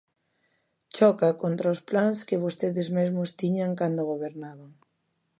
Choca contra os plans que vostedes mesmos tiñan cando gobernaban.